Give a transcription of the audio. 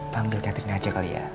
panggil catherine aja kali ya